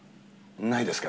ないですか？